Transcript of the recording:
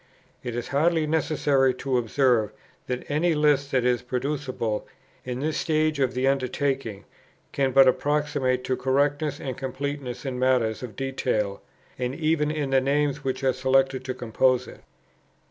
It is hardly necessary to observe that any list that is producible in this stage of the undertaking can but approximate to correctness and completeness in matters of detail, and even in the names which are selected to compose it.